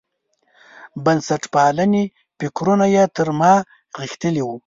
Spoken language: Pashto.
بنسټپالنې فکرونه یې تر ما غښتلي وو.